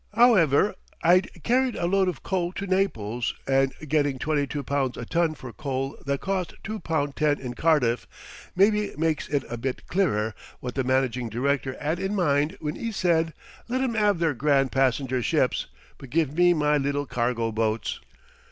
'Owever, I'd carried a load of coal to Naples and getting twenty two pounds a ton for coal that cost two pound ten in Cardiff maybe makes it a bit clearer what the managing director 'ad in mind when 'e said: 'let 'em have their grand passenger ships, but give me my little cargo boats.'